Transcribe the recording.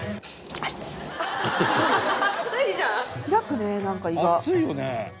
開くねなんか胃が。